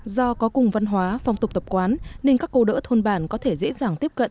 do có cùng văn hóa phong tục tập quán nên các cô đỡ thôn bản có thể dễ dàng tiếp cận